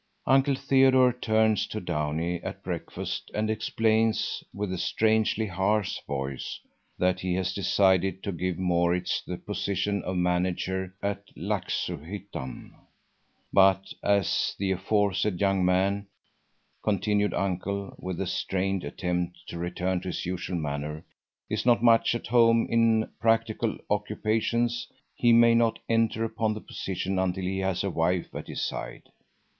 Uncle Theodore turns to Downie at breakfast and explains with a strangely harsh voice that he has decided to give Maurits the position of manager at Laxohyttan; but as the aforesaid young man, continued Uncle, with a strained attempt to return to his usual manner, is not much at home in practical occupations, he may not enter upon the position until he has a wife at his side.